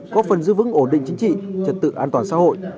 có phần giữ vững ổn định chính trị trật tự an toàn xã hội